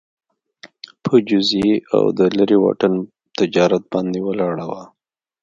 په جزیې او د لېرې واټن تجارت باندې ولاړه وه